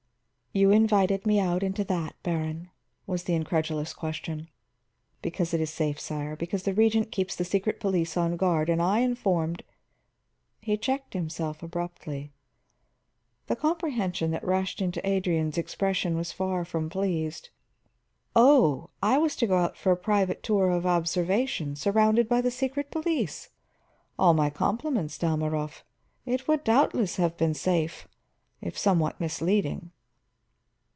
"You invited me out into that, Baron?" was the incredulous question. "Because it is safe, sire. Because the Regent keeps the secret police on guard and I informed " he checked himself abruptly. The comprehension that rushed to Adrian's expression was far from pleased. "Oh; I was to go out for a private tour of observation, surrounded by the secret police. All my compliments, Dalmorov. It would doubtless have been safe, if somewhat misleading."